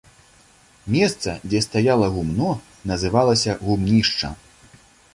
Месца, дзе стаяла гумно, называлася гумнішча.